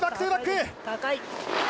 高い。